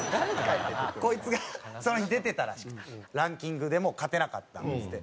こいつがその日出てたらしくてランキングでも勝てなかったんですって。